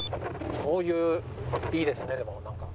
こういういいですねでもなんか。